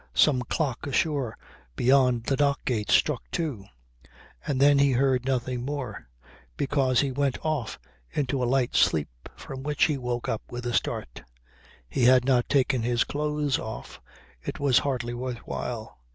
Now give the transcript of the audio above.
Some clock ashore beyond the dock gates struck two. And then he heard nothing more, because he went off into a light sleep from which he woke up with a start. He had not taken his clothes off, it was hardly worth while.